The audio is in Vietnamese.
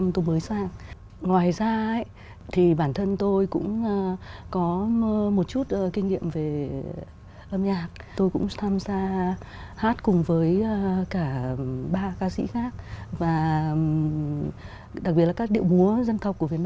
trong thời gian mình là đại sứ